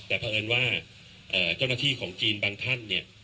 แต่เพราะเอิญว่าเจ้าหน้าที่ของจีนบางท่านเนี่ย